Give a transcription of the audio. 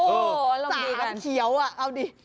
โอ้โฮลองดูกันชาเขียวเอาดิ